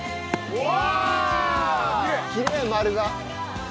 うわ！